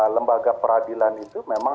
lembaga peradilan itu memang